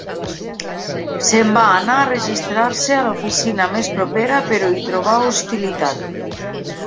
Se'n va anar a registrar-se a l'oficina més propera, però hi trobà hostilitat.